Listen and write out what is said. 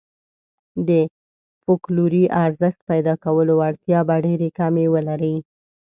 د فوکلوري ارزښت پيدا کولو وړتیا به ډېرې کمې ولري.